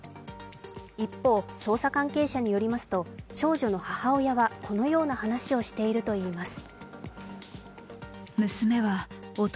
一方、捜査関係者によりますと少女の母親はこのような話をしているといいます。